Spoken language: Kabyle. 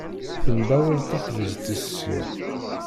Tembawel texbizt-is sya.